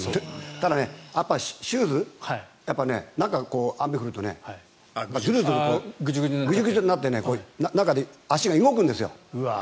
ただ、シューズ雨降るとズルズルとグジュグジュになって中で足が動くんですよ。